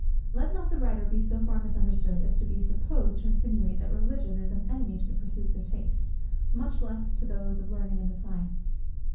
Let not the writer be so far misunderstood, as to be supposed to insinuate that Religion is an enemy to the pursuits of taste, much less to those of learning and of science.